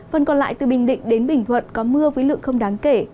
phần còn lại từ bình định đến bình thuận có mưa với lượng không đáng kể